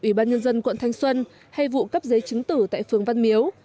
ủy ban nhân dân quận thanh xuân hay vụ cấp giấy chứng tử tại phường văn miếu